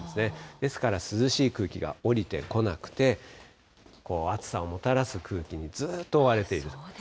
ですから、涼しい空気が下りてこなくて、暑さをもたらす空気にずーっと覆われていると。